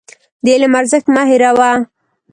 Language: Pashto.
د علم ارزښت مه هېروه.